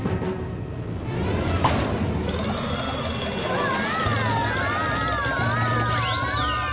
うわ！